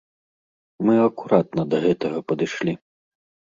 Мы акуратна да гэтага падышлі.